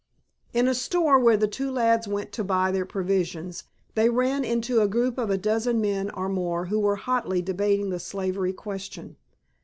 In a store where the two lads went to buy their provisions they ran into a group of a dozen men or more who were hotly debating the slavery question.